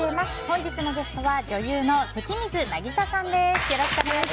本日のゲストは女優の関水渚さんです。